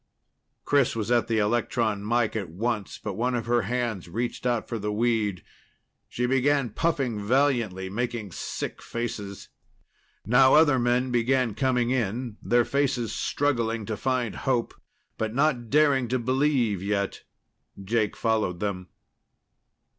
Chris was at the electron mike at once, but one of her hands reached out for the weed. She began puffing valiantly, making sick faces. Now other men began coming in, their faces struggling to find hope, but not daring to believe yet. Jake followed them.